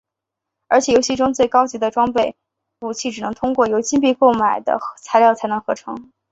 而且游戏中最高级的装备武器只能通过由金币买来的材料才能合成。